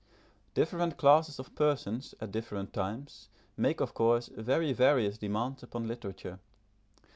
Different classes of persons, at different times, make, of course, very various demands upon literature.